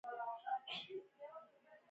دوی ژوندي لوبسټر چین ته لیږي.